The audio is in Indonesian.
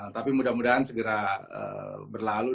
tapi mudah mudahan segera berlalu